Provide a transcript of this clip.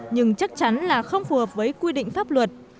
không phù hợp với quy định pháp luật